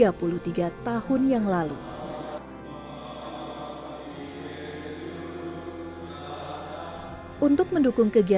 embora itu tidak direito bahasa